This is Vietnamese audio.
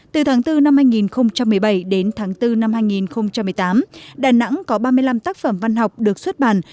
từ tháng bốn năm hai nghìn một mươi bảy đến tháng bốn năm hai nghìn một mươi tám đà nẵng có ba mươi năm tác phẩm văn học được xuất bản